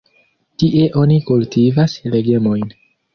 Tie oni kultivas legomojn.